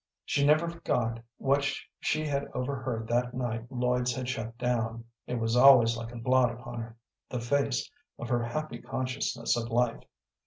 She never forgot what she had overheard that night Lloyd's had shut down; it was always like a blot upon the face of her happy consciousness of life.